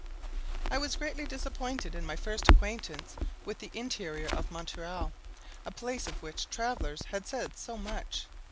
] I was greatly disappointed in my first acquaintance with the interior of Montreal; a place of which travellers had said so much.